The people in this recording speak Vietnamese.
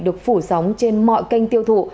được phủ sóng trên mọi kênh tiêu thụ